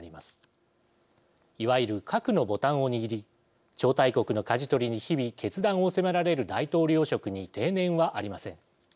いわゆる核のボタンを握り超大国のかじ取りに日々決断を迫られる大統領職に定年はありません。